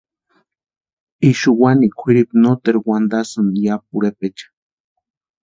Ixu wani kwʼiripu noteru wantasïni ya pʼorhepecha.